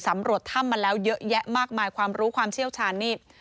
ตำรวจถ้ำมาแล้วเยอะแยะมากมายความรู้ความเชี่ยวชาญนี่